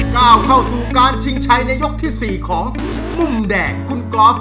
ก้าวเข้าสู่การชิงชัยในยกที่๔ของมุมแดงคุณกอล์ฟ